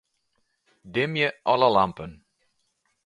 Dimje alle lampen.